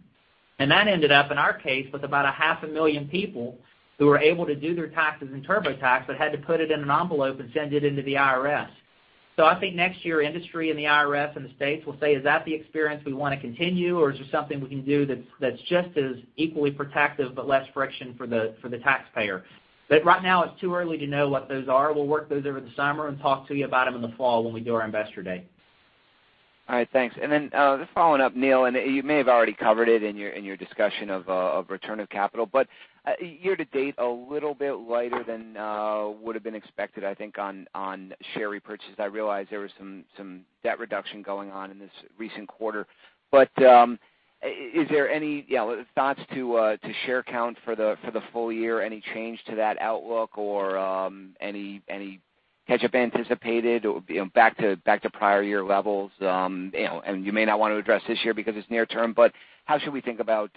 That ended up, in our case, with about a half a million people who were able to do their taxes in TurboTax but had to put it in an envelope and send it into the IRS. I think next year, industry and the IRS and the states will say, "Is that the experience we want to continue, or is there something we can do that's just as equally protective but less friction for the taxpayer?" Right now, it's too early to know what those are. We'll work those over the summer and talk to you about them in the fall when we do our investor day. All right. Thanks. Just following up, Neil, you may have already covered it in your discussion of return of capital, year-to-date, a little bit lighter than would've been expected, I think, on share repurchase. I realize there was some debt reduction going on in this recent quarter. Is there any thoughts to share count for the full year? Any change to that outlook or any catch-up anticipated back to prior year levels? You may not want to address this year because it's near term, but how should we think about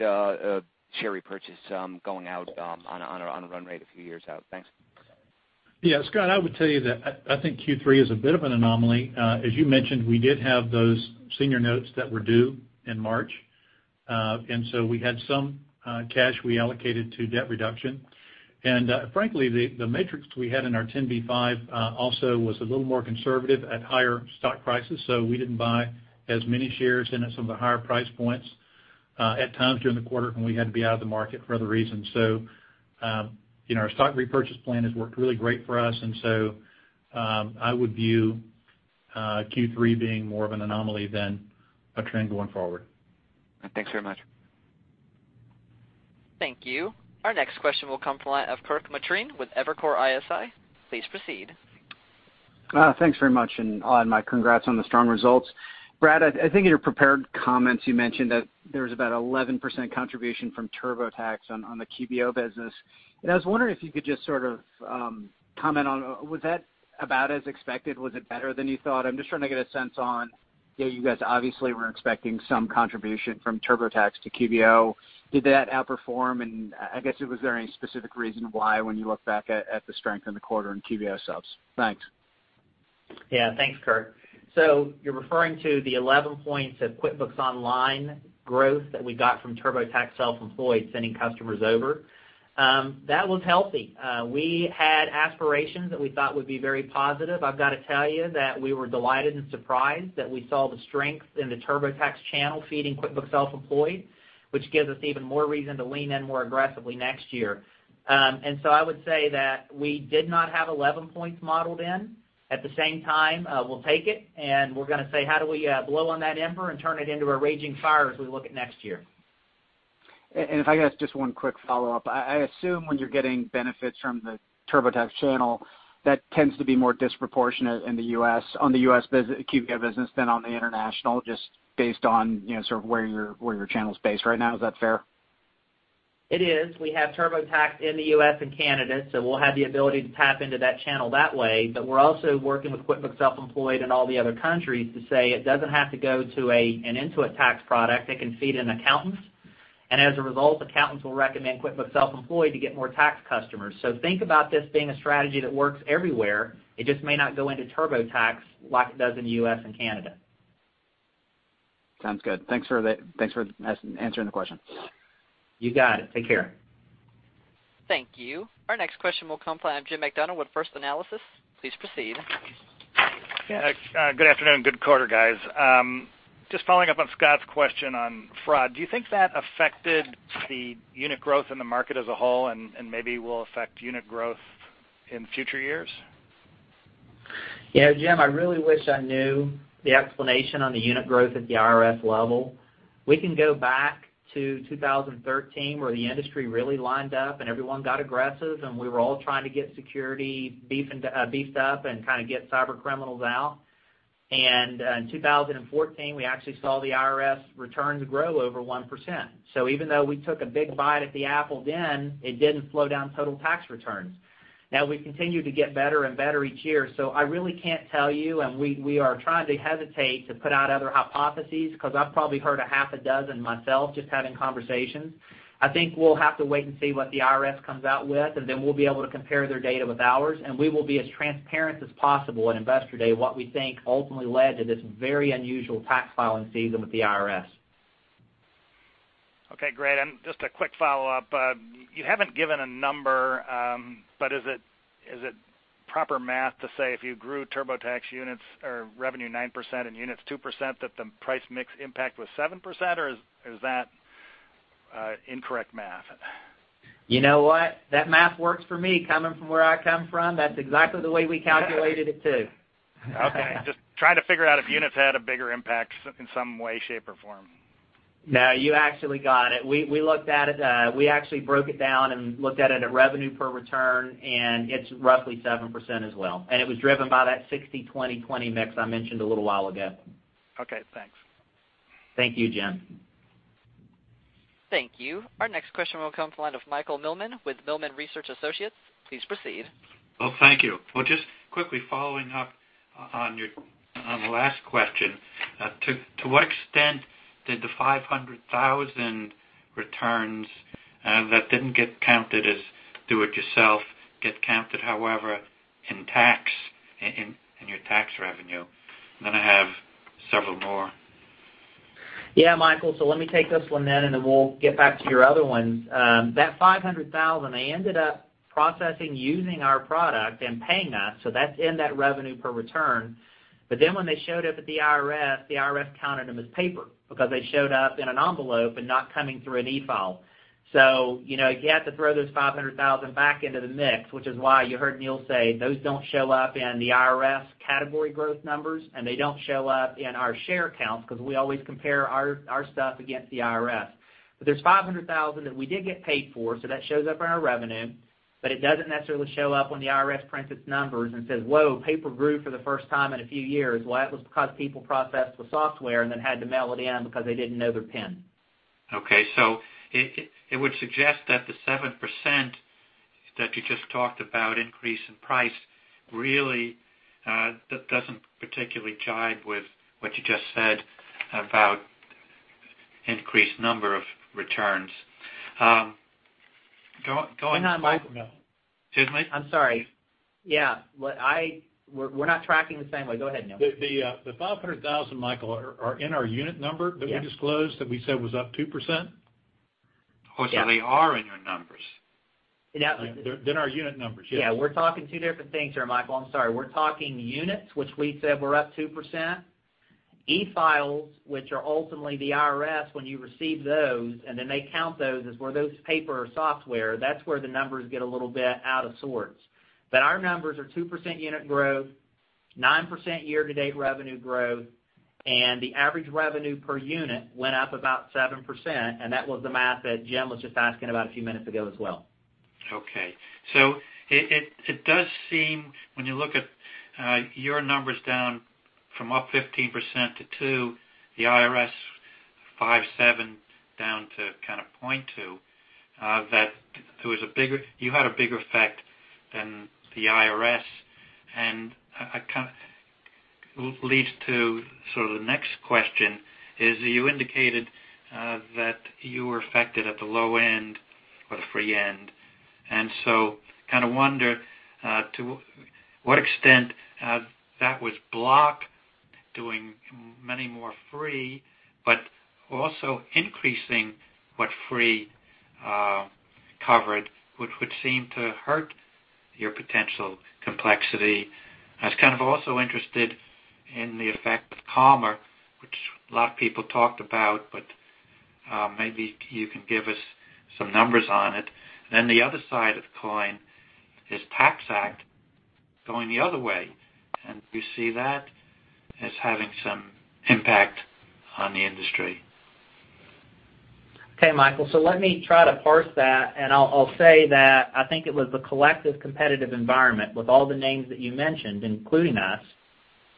share repurchase going out on a run rate a few years out? Thanks. Yeah, Scott, I would tell you that I think Q3 is a bit of an anomaly. As you mentioned, we did have those senior notes that were due in March. We had some cash we allocated to debt reduction. Frankly, the matrix we had in our 10b5-1 also was a little more conservative at higher stock prices. We didn't buy as many shares in at some of the higher price points at times during the quarter when we had to be out of the market for other reasons. Our stock repurchase plan has worked really great for us, I would view Q3 being more of an anomaly than a trend going forward. Thanks very much. Thank you. Our next question will come from the line of Kirk Materne with Evercore ISI. Please proceed. Thanks very much, and I'll add my congrats on the strong results. Brad, I think in your prepared comments, you mentioned that there was about 11% contribution from TurboTax on the QBO business. I was wondering if you could just comment on, was that about as expected? Was it better than you thought? I'm just trying to get a sense on, you guys obviously were expecting some contribution from TurboTax to QBO. Did that outperform, and I guess was there any specific reason why when you look back at the strength in the quarter in QBO subs? Thanks. Yeah. Thanks, Kirk. You're referring to the 11 points of QuickBooks Online growth that we got from TurboTax Self-Employed sending customers over. That was healthy. We had aspirations that we thought would be very positive. I've got to tell you that we were delighted and surprised that we saw the strength in the TurboTax channel feeding QuickBooks Self-Employed, which gives us even more reason to lean in more aggressively next year. I would say that we did not have 11 points modeled in. At the same time, we'll take it, and we're going to say, "How do we blow on that ember and turn it into a raging fire as we look at next year? If I could ask just one quick follow-up. I assume when you're getting benefits from the TurboTax channel, that tends to be more disproportionate in the U.S., on the U.S. QB business than on the international, just based on sort of where your channel's based right now. Is that fair? It is. We have TurboTax in the U.S. and Canada. We'll have the ability to tap into that channel that way. We're also working with QuickBooks Self-Employed in all the other countries to say it doesn't have to go to an Intuit tax product. It can feed an accountant, and as a result, accountants will recommend QuickBooks Self-Employed to get more tax customers. Think about this being a strategy that works everywhere. It just may not go into TurboTax like it does in the U.S. and Canada. Sounds good. Thanks for answering the question. You got it. Take care. Thank you. Our next question will come from Jim Macdonald with First Analysis. Please proceed. Good afternoon. Good quarter, guys. Just following up on Scott's question on fraud, do you think that affected the unit growth in the market as a whole and maybe will affect unit growth in future years? Jim, I really wish I knew the explanation on the unit growth at the IRS level. We can go back to 2013, where the industry really lined up, and everyone got aggressive, and we were all trying to get security beefed up and kind of get cyber criminals out. In 2014, we actually saw the IRS returns grow over 1%. Even though we took a big bite at the apple then, it didn't slow down total tax returns. We continue to get better and better each year, so I really can't tell you, and we are trying to hesitate to put out other hypotheses, because I've probably heard a half a dozen myself just having conversations. I think we'll have to wait and see what the IRS comes out with. Then we'll be able to compare their data with ours. We will be as transparent as possible at Investor Day what we think ultimately led to this very unusual tax filing season with the IRS. Okay, great. Just a quick follow-up. You haven't given a number, but is it proper math to say if you grew TurboTax units or revenue 9% and units 2%, that the price mix impact was 7%, or is that incorrect math? You know what? That math works for me, coming from where I come from. That's exactly the way we calculated it, too. Okay. Just trying to figure out if units had a bigger impact in some way, shape, or form. No, you actually got it. We looked at it. We actually broke it down and looked at it at revenue per return, and it's roughly 7% as well. It was driven by that 60/20/20 mix I mentioned a little while ago. Okay, thanks. Thank you, Jim. Thank you. Our next question will come from the line of Michael Millman with Millman Research Associates. Please proceed. Well, thank you. Well, just quickly following up on the last question, to what extent did the 500,000 returns that didn't get counted as do it yourself get counted, however, in your tax revenue? I have several more. Michael, let me take this one then, we'll get back to your other ones. That 500,000, they ended up processing using our product and paying us, so that's in that revenue per return. When they showed up at the IRS, the IRS counted them as paper because they showed up in an envelope and not coming through an e-file. You have to throw those 500,000 back into the mix, which is why you heard Neil say those don't show up in the IRS category growth numbers, they don't show up in our share counts because we always compare our stuff against the IRS. There's 500,000 that we did get paid for, that shows up in our revenue, it doesn't necessarily show up when the IRS prints its numbers and says, "Whoa, paper grew for the first time in a few years." That was because people processed with software and then had to mail it in because they didn't know their PIN. It would suggest that the 7% that you just talked about increase in price really that doesn't particularly jive with what you just said about increased number of returns. Hang on, Michael Excuse me? I'm sorry. Yeah. We're not tracking the same way. Go ahead, Neil. The 500,000, Michael, are in our unit number- Yeah that we disclosed that we said was up 2%. Oh, they are in your numbers. Yeah. They're in our unit numbers, yes. Yeah. We're talking two different things here, Michael. I'm sorry. We're talking units, which we said were up 2%, e-files, which are ultimately the IRS, when you receive those and then they count those as were those paper or software, that's where the numbers get a little bit out of sorts. Our numbers are 2% unit growth, 9% year-to-date revenue growth, and the average revenue per unit went up about 7%, and that was the math that Jim was just asking about a few minutes ago as well. Okay. It does seem when you look at your numbers down from up 15% to 2%, the IRS 5.7% down to kind of 0.2%, that you had a bigger effect than the IRS. Leads to sort of the next question is, you indicated, that you were affected at the low end or the free end. Kind of wonder to what extent that was Block doing many more free, but also increasing what free covered, which would seem to hurt your potential complexity. I was kind of also interested in the effect of Credit Karma, which a lot of people talked about, but maybe you can give us some numbers on it. The other side of the coin is TaxAct going the other way, and do you see that as having some impact on the industry? Okay, Michael, let me try to parse that, I'll say that I think it was the collective competitive environment with all the names that you mentioned, including us,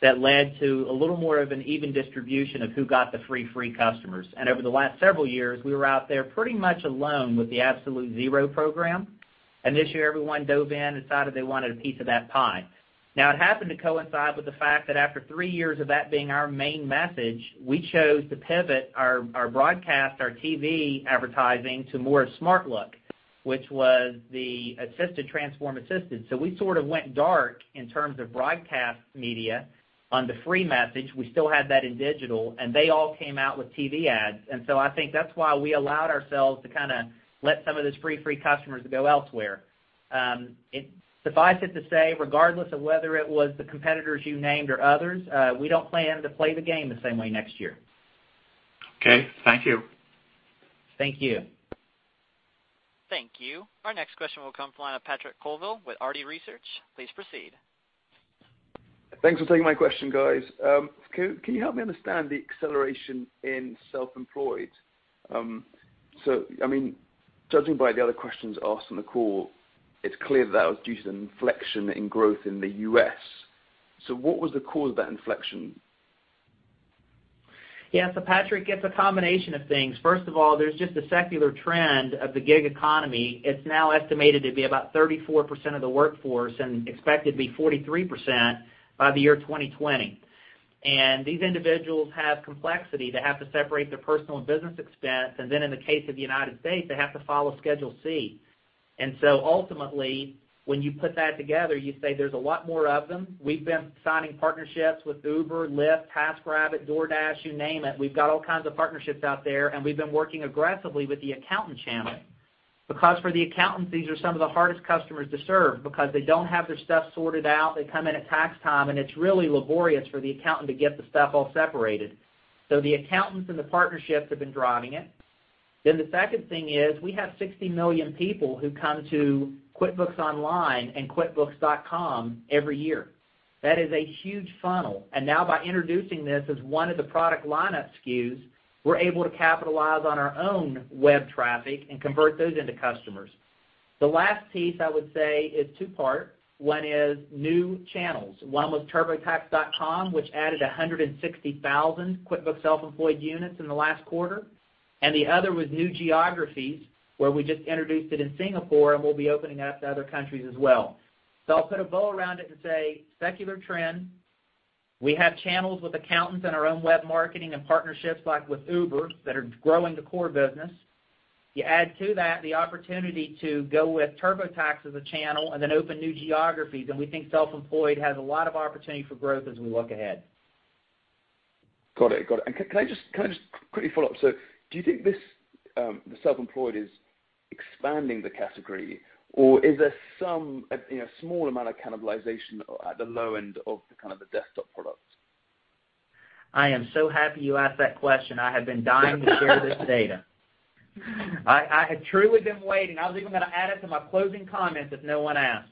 that led to a little more of an even distribution of who got the free customers. Over the last several years, we were out there pretty much alone with the Absolute Zero program. This year, everyone dove in and decided they wanted a piece of that pie. Now, it happened to coincide with the fact that after three years of that being our main message, we chose to pivot our broadcast, our TV advertising to more of SmartLook, which was the assisted transform assistance. We sort of went dark in terms of broadcast media on the free message. We still had that in digital, they all came out with TV ads. I think that's why we allowed ourselves to kind of let some of those free customers go elsewhere. Suffice it to say, regardless of whether it was the competitors you named or others, we don't plan to play the game the same way next year. Okay. Thank you. Thank you. Thank you. Our next question will come from the line of Patrick Colville with Arete Research. Please proceed. Thanks for taking my question, guys. Can you help me understand the acceleration in self-employed? Judging by the other questions asked on the call, it's clear that was due to the inflection in growth in the U.S. What was the cause of that inflection? Yeah. Patrick, it's a combination of things. First of all, there's just a secular trend of the gig economy. It's now estimated to be about 34% of the workforce and expected to be 43% by the year 2020. These individuals have complexity. They have to separate their personal and business expense, then in the case of the United States, they have to file a Schedule C. Ultimately, when you put that together, you say there's a lot more of them. We've been signing partnerships with Uber, Lyft, Taskrabbit, DoorDash, you name it. We've got all kinds of partnerships out there, and we've been working aggressively with the accountant channel. For the accountants, these are some of the hardest customers to serve because they don't have their stuff sorted out. They come in at tax time, and it's really laborious for the accountant to get the stuff all separated. The accountants and the partnerships have been driving it. The second thing is, we have 60 million people who come to QuickBooks Online and QuickBooks.com every year. That is a huge funnel. Now by introducing this as one of the product lineup SKUs, we're able to capitalize on our own web traffic and convert those into customers. The last piece I would say is two-part. One is new channels. One was TurboTax.com, which added 160,000 QuickBooks Self-Employed units in the last quarter, the other was new geographies, where we just introduced it in Singapore, and we'll be opening it up to other countries as well. I'll put a bow around it and say, secular trend. We have channels with accountants and our own web marketing and partnerships like with Uber that are growing the core business. You add to that the opportunity to go with TurboTax as a channel then open new geographies, and we think self-employed has a lot of opportunity for growth as we look ahead. Got it. Can I just quickly follow up? Do you think the Self-Employed is expanding the category, or is there some small amount of cannibalization at the low end of the kind of the desktop products? I am so happy you asked that question. I have been dying to share this data. I had truly been waiting. I was even going to add it to my closing comments if no one asked.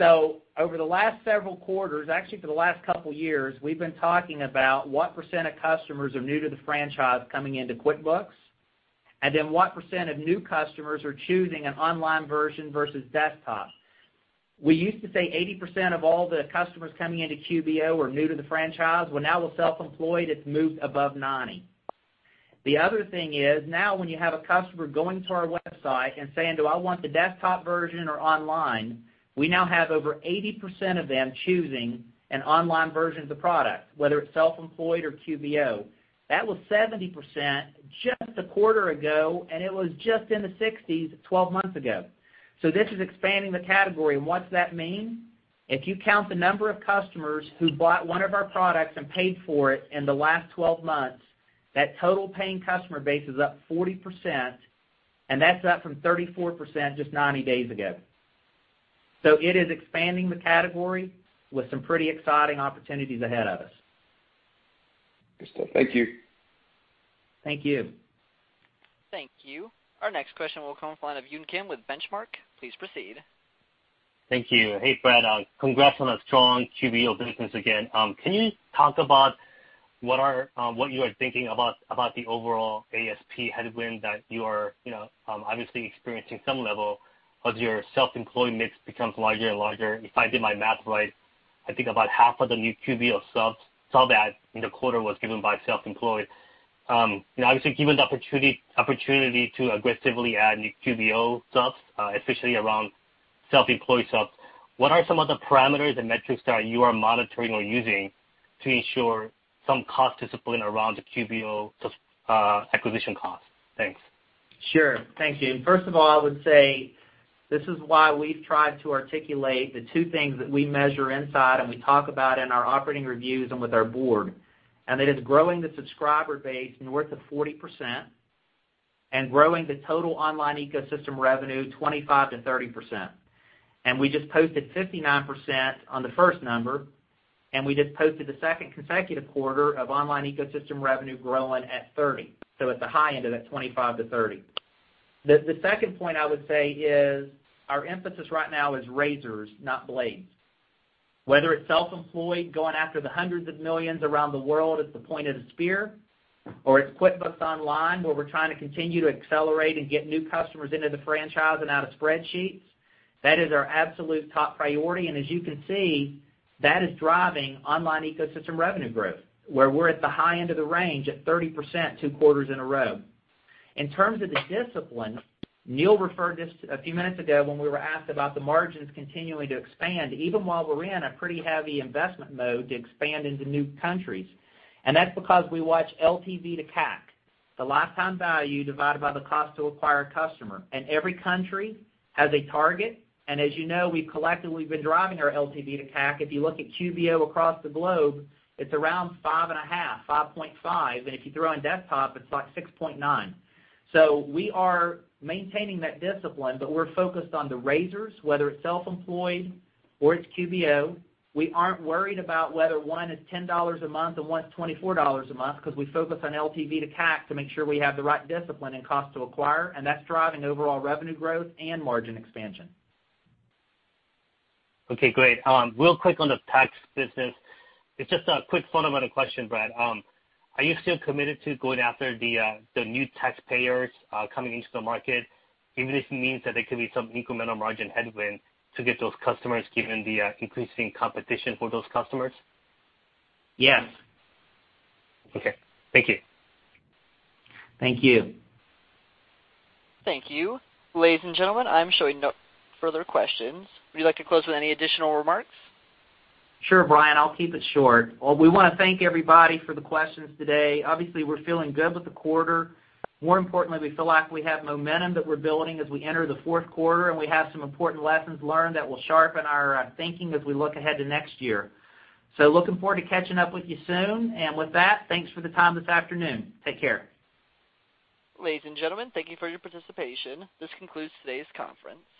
Over the last several quarters, actually for the last 2 years, we've been talking about what % of customers are new to the franchise coming into QuickBooks, and then what % of new customers are choosing an online version versus desktop. We used to say 80% of all the customers coming into QBO are new to the franchise. Now with Self-Employed, it's moved above 90%. The other thing is, now when you have a customer going to our website and saying, "Do I want the desktop version or online?" We now have over 80% of them choosing an online version of the product, whether it's Self-Employed or QBO. That was 70% just a quarter ago, and it was just in the 60s 12 months ago. This is expanding the category. What's that mean? If you count the number of customers who bought one of our products and paid for it in the last 12 months, that total paying customer base is up 40%, and that's up from 34% just 90 days ago. It is expanding the category with some pretty exciting opportunities ahead of us. Good stuff. Thank you. Thank you. Thank you. Our next question will come from the line of Yun Kim with Benchmark. Please proceed. Thank you. Hey, Brad. Congrats on a strong QBO business again. Can you talk about what you are thinking about the overall ASP headwind that you are obviously experiencing some level as your self-employed mix becomes larger and larger? If I did my math right, I think about half of the new QBO subs saw that in the quarter was given by Self-Employed. Obviously, given the opportunity to aggressively add new QBO subs, especially around Self-Employed subs. What are some of the parameters and metrics that you are monitoring or using to ensure some cost discipline around the QBO acquisition cost? Thanks. Sure. Thank you. First of all, I would say this is why we've tried to articulate the two things that we measure inside and we talk about in our operating reviews and with our board. It is growing the subscriber base north of 40% and growing the total online ecosystem revenue 25%-30%. We just posted 59% on the first number, and we just posted the second consecutive quarter of online ecosystem revenue growing at 30%, so at the high end of that 25%-30%. The second point I would say is our emphasis right now is razors, not blades. Whether it's self-employed going after the hundreds of millions around the world as the point of the spear, or it's QuickBooks Online, where we're trying to continue to accelerate and get new customers into the franchise and out of spreadsheets. That is our absolute top priority. As you can see, that is driving online ecosystem revenue growth, where we're at the high end of the range at 30% two quarters in a row. In terms of the discipline, Neil referred to this a few minutes ago when we were asked about the margins continuing to expand, even while we're in a pretty heavy investment mode to expand into new countries. That's because we watch LTV to CAC, the lifetime value divided by the cost to acquire a customer. Every country has a target. As you know, we've collectively been driving our LTV to CAC. If you look at QBO across the globe, it's around five and a half, 5.5. If you throw in desktop, it's like 6.9. We are maintaining that discipline, but we're focused on the razors, whether it's self-employed or it's QBO. We aren't worried about whether one is $10 a month or one's $24 a month because we focus on LTV to CAC to make sure we have the right discipline and cost to acquire. That's driving overall revenue growth and margin expansion. Okay, great. Real quick on the tax business. It's just a quick fundamental question, Brad. Are you still committed to going after the new taxpayers coming into the market, even if it means that there could be some incremental margin headwind to get those customers, given the increasing competition for those customers? Yes. Okay. Thank you. Thank you. Thank you. Ladies and gentlemen, I'm showing no further questions. Would you like to close with any additional remarks? Sure, Brian. I'll keep it short. Well, we want to thank everybody for the questions today. Obviously, we're feeling good with the quarter. More importantly, we feel like we have momentum that we're building as we enter the fourth quarter, and we have some important lessons learned that will sharpen our thinking as we look ahead to next year. Looking forward to catching up with you soon. With that, thanks for the time this afternoon. Take care. Ladies and gentlemen, thank you for your participation. This concludes today's conference.